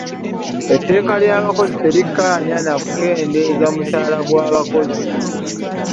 Etteeka ly'abakozi terikkaanya na kukendeeza musaala gw'abakozi.